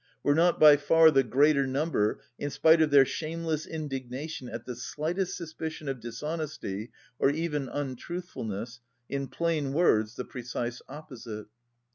Were not by far the greater number, in spite of their shameless indignation at the slightest suspicion of dishonesty or even untruthfulness, in plain words, the precise opposite?